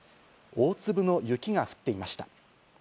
大粒の雪が降っていました。